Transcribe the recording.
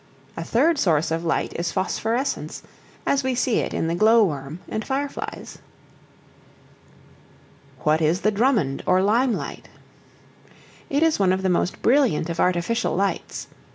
A third source of light is phosphorescence, as we see it in the glow worm and fireflies. What is the Drummond or Lime Light? It is one of the most brilliant of artificial lights.